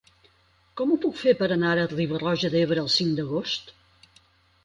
Com ho puc fer per anar a Riba-roja d'Ebre el cinc d'agost?